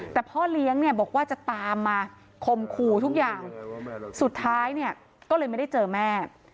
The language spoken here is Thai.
แต่พ่อเลี้ยงเนี่ยบอกว่าจะตามมาคมคู่ทุกอย่างสุดท้ายเนี่ยก็เลยไม่ได้เจอแม่